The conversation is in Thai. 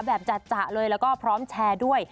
จัดเลยแล้วก็พร้อมแชร์ด้วย